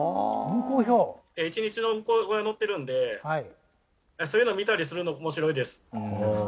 一日の運行が載ってるんでそういうの見たりするの面白いです。